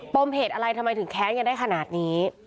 มเหตุอะไรทำไมถึงแค้นกันได้ขนาดนี้